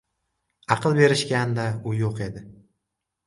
• Aql berishganida u yo‘q edi.